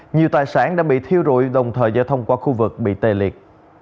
nhiều tài sản đã bị thiêu rụi đồng thời giao thông qua khu vực bị tê liệt